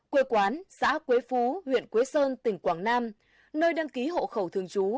quê quán xã quế phú huyện quế sơn tỉnh quảng nam nơi đăng ký hộ khẩu thường trú